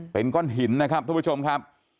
เป็นก้อนหินนะครับทุกผู้ชมครับ